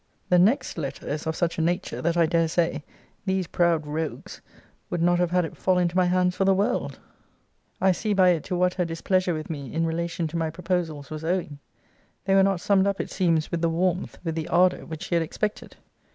The next letter is of such a nature, that, I dare say, these proud rouges would not have had it fall into my hands for the world.* * See Letter XXXIV. of this volume. I see by it to what her displeasure with me, in relation to my proposals, was owing. They were not summed up, it seems, with the warmth, with the ardour, which she had expected.